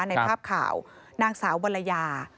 ในภาพข่าวนางสาวบรรยา